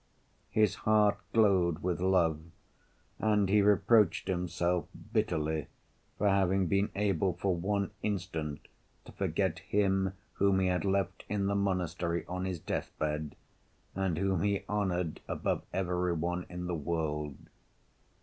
His heart glowed with love, and he reproached himself bitterly for having been able for one instant to forget him whom he had left in the monastery on his deathbed, and whom he honored above every one in the world.